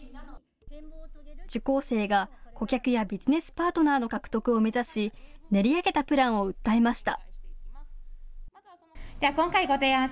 受講生が顧客やビジネスパートナーの獲得を目指し練り上げたプランを訴えました。